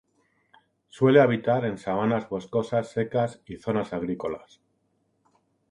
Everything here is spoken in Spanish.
Suele habitar en sabanas boscosas secas y zonas agrícolas.